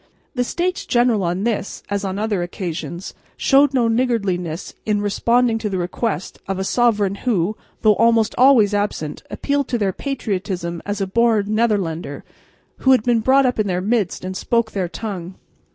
The States General on this, as on other occasions, showed no niggardliness in responding to the request of a sovereign who, though almost always absent, appealed to their patriotism as a born Netherlander, who had been brought up in their midst and spoke their tongue.